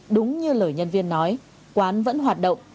đúng như lời nhân viên nói quán vẫn hoạt động